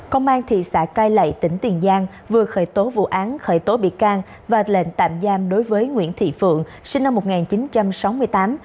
công an thị xã cai lậy tỉnh tiền giang vừa khởi tố vụ án khởi tố bị can và lệnh tạm giam đối với nguyễn thị phượng sinh năm một nghìn chín trăm sáu mươi tám